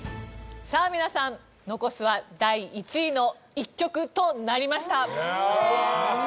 さあ皆さん残すは第１位の１曲となりました。